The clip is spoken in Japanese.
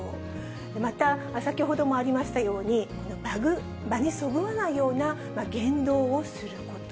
また、先ほどもありましたように、場にそぐわないような言動をすること。